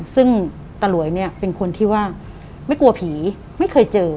ซึ่งตะหลวยเนี่ยเป็นคนที่ว่าไม่กลัวผีไม่เคยเจอ